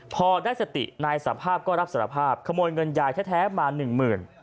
พอได้สตินายสภาพก็รับสารภาพขโมยเงินยายแท้มาหนึ่งหมื่น